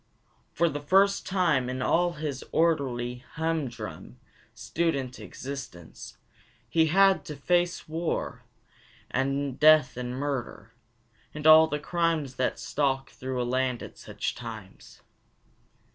For the first time in all his orderly humdrum student existence, he had had to face war and death and murder, and all the crimes that stalk through a land at such times.